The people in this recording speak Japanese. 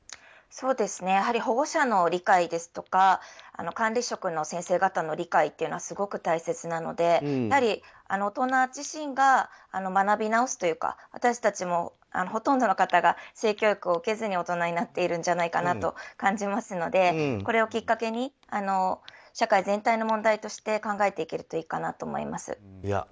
やはり保護者の理解や管理職の先生方の理解はすごく大切なのでやはり大人自身が学び直すというか私たちもほとんどの方が性教育を受けずに大人になっているんじゃないかと感じますので、これをきっかけに社会全体の問題として考えていけるといいかなと思います。